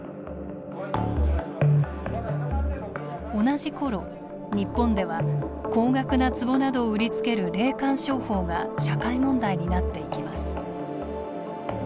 同じころ日本では高額なつぼなどを売りつける霊感商法が社会問題になっていきます。